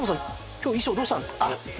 今日衣装どうしたんですか？